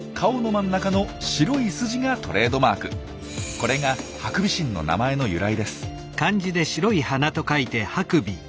これがハクビシンの名前の由来です。